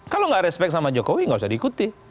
kalau enggak respect sama jokowi enggak usah diikuti